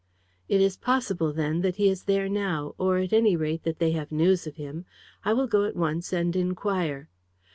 "It is possible, then, that he is there now; or, at any rate, that they have news of him. I will go at once and inquire."